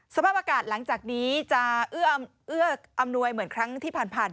สภาพอากาศหลังจากนี้จะเอื้ออำนวยเหมือนครั้งที่ผ่านมา